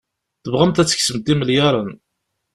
Tebɣamt ad tkesbemt imelyaṛen.